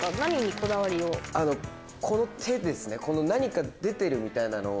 この手ですね何か出てるみたいなのを。